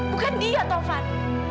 bukan dia taufan